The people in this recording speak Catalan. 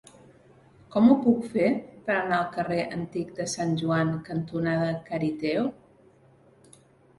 Com ho puc fer per anar al carrer Antic de Sant Joan cantonada Cariteo?